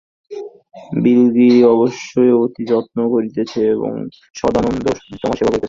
বিলিগিরি অবশ্যই অতি যত্ন করিতেছে এবং সদানন্দ তোমার সেবা করিতেছে।